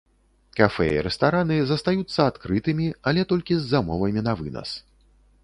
Кафэ і рэстараны застаюцца адкрытымі, але толькі з замовамі на вынас.